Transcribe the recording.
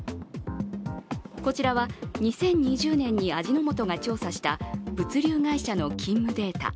こちらは２０２０年に味の素が調査した物流会社の勤務データ。